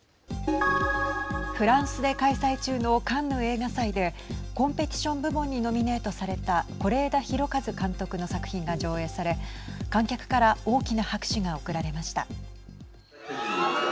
フランスで開催中のカンヌ映画祭でコンペティション部門にノミネートされた是枝裕和監督の作品が上映され観客から大きな拍手が送られました。